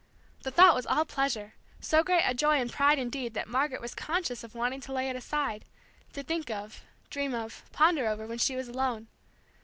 The thought was all pleasure, so great a joy and pride indeed that Margaret was conscious of wanting to lay it aside, to think of, dream of, ponder over, when she was alone.